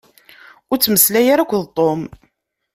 Ur ttmeslay ara akked Tom.